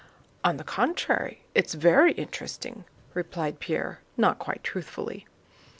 "On the contrary it's very interesting!" replied Pierre not quite truthfully.